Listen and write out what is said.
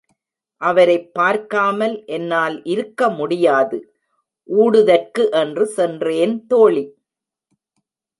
அவரைப் பார்க்காமல் என்னால் இருக்க முடியாது. ஊடுதற்கு என்று சென்றேன் தோழி!